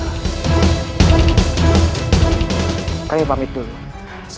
kedekatannya dengan raden surawi sesa